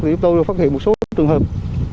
thì chúng tôi phát hiện một số trường hợp